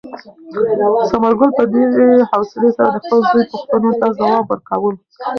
ثمرګل په ډېرې حوصلې سره د خپل زوی پوښتنو ته ځواب ورکاوه.